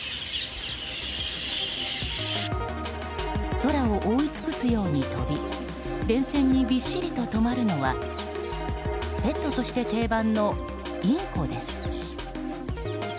空を覆い尽くすように飛び電線にびっしりと留まるのはペットとして定番のインコです。